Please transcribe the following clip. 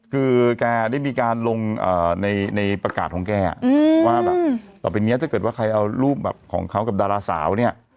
คือมีการลงในประกาศของแกถ้าเกิดว่าใครเอารูปของเขากับดาราสาวเนี่ย